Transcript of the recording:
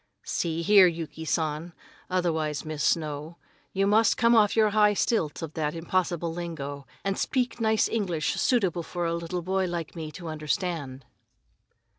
"See here, Yuki San, otherwise Miss Snow, you just come off your high stilts of that impossible lingo, and speak nice English suitable for a little boy like me to understand."